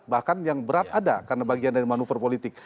bahkan yang berat ada karena bagian dari manuver politik